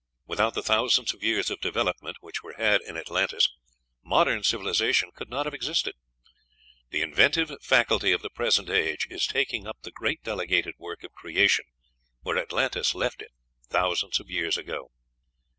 Without the thousands of years of development which were had in Atlantis modern civilization could not have existed. The inventive faculty of the present age is taking up the great delegated work of creation where Atlantis left it thousands of years ago.